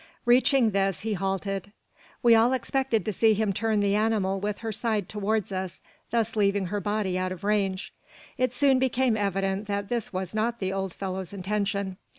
Reaching this, he halted. We all expected to see him turn the animal with her side towards us, thus leaving her body out of range. It soon became evident that this was not the old fellow's intention.